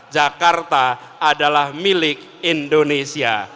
jakarta adalah milik indonesia